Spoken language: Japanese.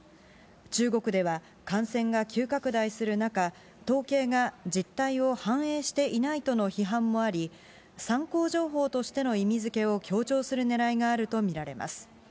中国では感染が急拡大する中、統計が実態を反映していないとの批判もあり、参考情報としての意味付けを強調するねらいがあると見られます。